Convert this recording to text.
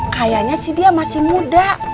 kayanya si dia masih muda